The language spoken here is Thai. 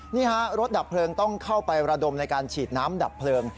นี่ฮะรถดับเพลิงต้องเข้าไประดมในการฉีดน้ำดับเพลิง